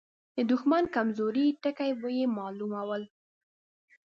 د دښمن کمزوري ټکي به يې مالومول.